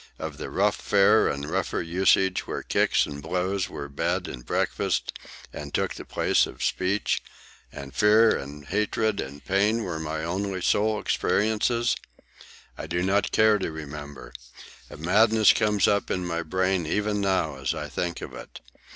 of the rough fare and rougher usage, where kicks and blows were bed and breakfast and took the place of speech, and fear and hatred and pain were my only soul experiences? I do not care to remember. A madness comes up in my brain even now as I think of it.